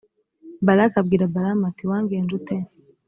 balaki abwira balamu, ati «wangenje ute?